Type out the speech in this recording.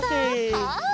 はい。